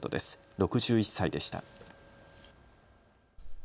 ６１歳でした。